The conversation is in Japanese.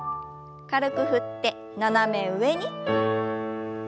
軽く振って斜め上に。